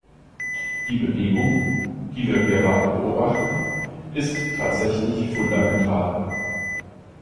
Die Bewegung, die wir gerade beobachten, ist tatsächlich fundamental.